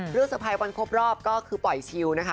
เตอร์ไพรสวันครบรอบก็คือปล่อยชิลนะคะ